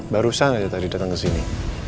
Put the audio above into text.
barusan aja tadi datang kesini